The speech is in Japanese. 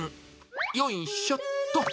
よいしょっと。